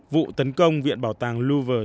vụ tấn công viện bảo tàng louvre